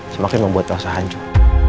semakin membuat elsa hancur